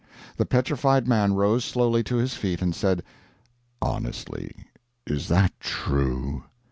The Petrified Man rose slowly to his feet, and said: "Honestly, is that true?"